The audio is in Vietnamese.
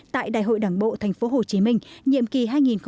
tại đại hội đảng bộ tp hcm nhiệm kỳ hai nghìn hai mươi hai nghìn hai mươi năm